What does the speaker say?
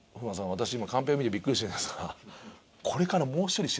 私今カンペを見てびっくりしてるんですが。